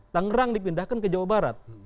tangerang dipindahkan ke jawa barat